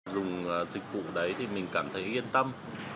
dùng dịch vụ đấy thì mình cảm thấy yên tâm